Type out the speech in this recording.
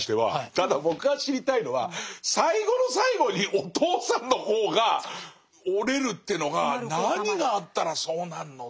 ただ僕が知りたいのは最後の最後にお父さんの方が折れるってのが何があったらそうなんのっていう。